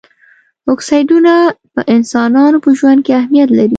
اکسایډونه په انسانانو په ژوند کې اهمیت لري.